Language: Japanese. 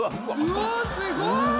うわすごい！